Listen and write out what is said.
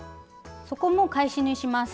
そこも返し縫いします。